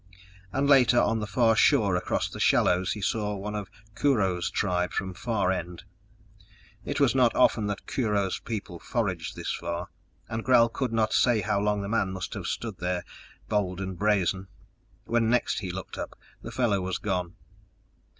And later, on the far shore across the shallows he saw one of Kurho's tribe from Far End. It was not often that Kurho's people foraged this far, and Gral could not say how long the man must have stood there bold and brazen. When next he looked up, the fellow was gone.